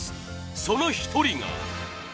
その１人が。